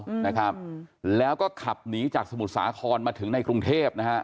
อืมนะครับแล้วก็ขับหนีจากสมุทรสาครมาถึงในกรุงเทพนะฮะ